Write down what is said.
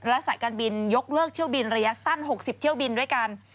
และสายการบินยกเลิกเที่ยวบินระยะสั้น๖๐เที่ยวบินด้วยกัน